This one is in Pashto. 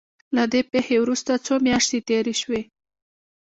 له دې پېښې وروسته څو مياشتې تېرې شوې.